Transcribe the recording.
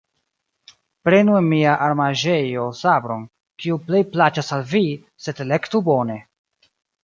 Prenu en mia armaĵejo sabron, kiu plej plaĉas al vi, sed elektu bone.